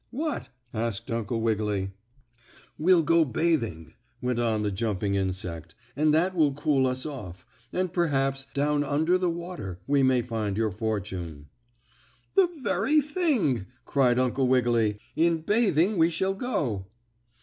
"What?" asked Uncle Wiggily. "We'll go in bathing," went on the jumping insect, "and that will cool us off, and perhaps down under the water we may find your fortune." "The very thing," cried Uncle Wiggily; "in bathing we shall go."